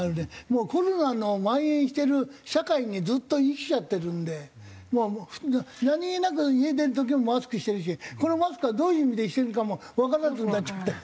もうコロナの蔓延してる社会にずっと生きちゃってるんでもう何げなく家出る時もマスクしてるしこのマスクはどういう意味でしてるかもわからなくなっちゃって。